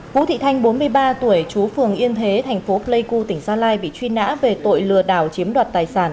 vũ thị thanh bốn mươi ba tuổi chú phường yên thế thành phố pleiku tỉnh gia lai bị truy nã về tội lừa đảo chiếm đoạt tài sản